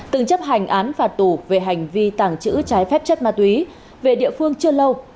từng chấp hành án phạt tù về hành vi tàng trữ trái phép chất ma túy về địa phương chưa lâu